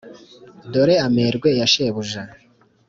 dore amerwe ya shebuja